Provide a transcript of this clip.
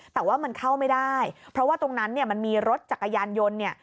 แต่ว่ามันเข้าไม่ได้เพราะว่าตรงนั้นเนี่ยมันมีรถจักรยานยนต์เนี่ย